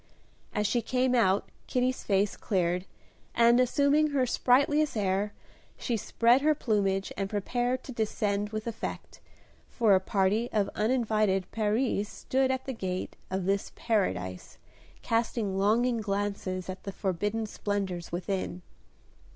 As she came out Kitty's face cleared, and, assuming her sprightliest air, she spread her plumage and prepared to descend with effect, for a party of uninvited peris stood at the gate of this Paradise casting longing glances at the forbidden splendors within.